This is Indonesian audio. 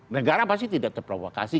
negara pasti tidak terprovokasi